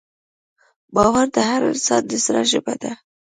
باور د هر انسان د زړه ژبه ده.